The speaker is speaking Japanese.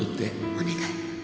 お願い。